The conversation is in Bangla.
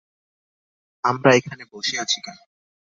আমরা এখানে বসে আছি কেন?